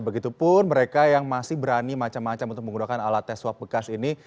begitupun mereka yang masih berani macam macam untuk menggunakan alat tes swab bekas ini